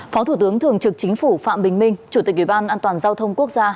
phó thủ tướng thường trực chính phủ phạm bình minh chủ tịch uban an toàn giao thông quốc gia